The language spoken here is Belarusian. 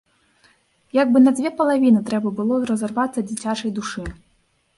Як бы на дзве палавіны трэба было разарвацца дзіцячай душы.